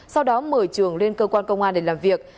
sau đó mời trường lên cơ quan công an để làm việc